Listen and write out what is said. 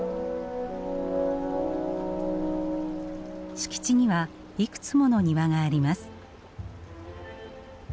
敷地にはいくつもの庭があります。